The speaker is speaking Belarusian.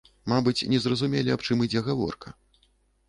Мабыць, не зразумелі аб чым ідзе гаворка.